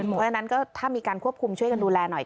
เพราะฉะนั้นก็ถ้ามีการควบคุมช่วยกันดูแลหน่อย